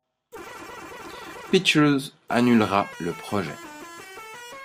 Pictures annulera le projet.